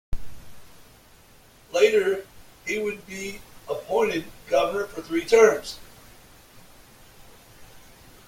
Later he would be appointed Governor for three terms.